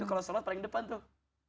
kalau sholat paling depan tuh